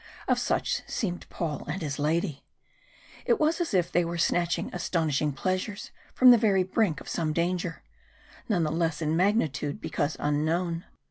Of such seemed Paul and his lady. It was as if they were snatching astonishing pleasures from the very brink of some danger, none the less in magnitude because unknown.